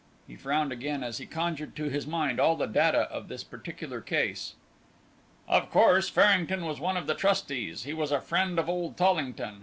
He frowned again as he conjured to his mind all the data of this particular case. "Of course, Farrington was one of the trustees; he was a friend of old Tollington.